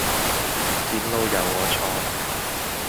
前路由我創